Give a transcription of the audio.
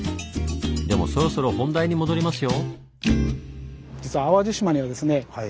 でもそろそろ本題に戻りますよ。